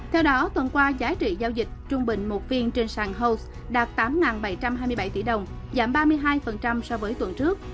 theo đó tuần qua giá trị giao dịch trung bình một phiên trên sàn hos đạt tám bảy trăm hai mươi bảy tỷ đồng giảm ba mươi hai so với tuần trước